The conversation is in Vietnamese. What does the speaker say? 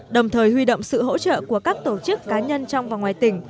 đồng thời huy động sự hỗ trợ của các tổ chức cá nhân trong và ngoài tỉnh